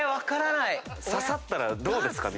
刺さったらどうですか？